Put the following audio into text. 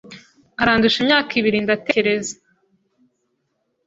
arandusha imyaka ibiri, ndatekereza.